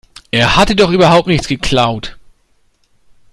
Er hatte doch überhaupt nichts geklaut.